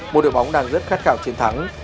một đội bóng đang rất khát khảo chiến thắng